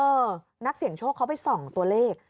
นักเสี่ยงโชคเขาไปส่องตัวเลข